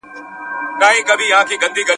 او مهارت به مو پیاوړی کړي.